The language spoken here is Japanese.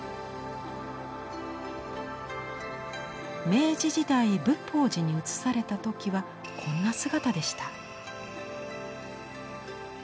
明治時代仏法寺に移された時はこんな姿でした。